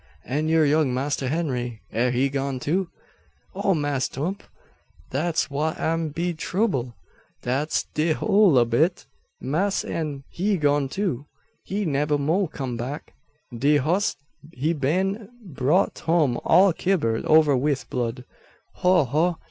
"An' yur young Master Henry air he gone too?" "O Mass' 'Tump! Dat's wha am be trubble. Dat's de whole ob it. Mass' Hen' he gone too. He nebber mo' come back. De hoss he been brought home all kibbered over wif blood. Ho! ho!